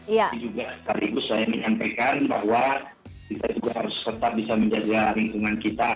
ini juga sekaligus saya menyampaikan bahwa kita juga harus tetap bisa menjaga lingkungan kita